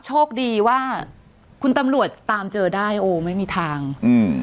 โชคดีว่าคุณตำรวจตามเจอได้โอ้ไม่มีทางอืม